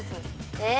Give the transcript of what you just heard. えっ？